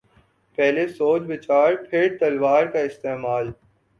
پہلے سوچ بچار پھر تلوار کااستعمال۔